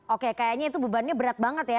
oke kayaknya itu bebannya berat banget ya